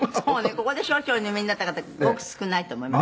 ここで焼酎をお飲みになった方ごく少ないと思います」